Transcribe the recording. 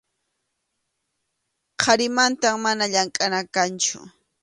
qariqmantam mana llamkʼana kanchu.